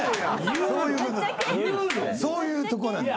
そういうとこなんです。